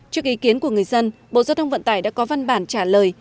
trước ý kiến của người dân bộ giao thông vận tải đã có văn bản trả lời